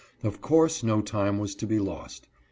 Of course no time was to be lost.